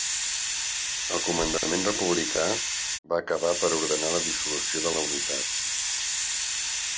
El comandament republicà va acabar per ordenar la dissolució de la unitat.